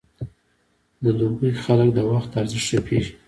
د دوبی خلک د وخت ارزښت ښه پېژني.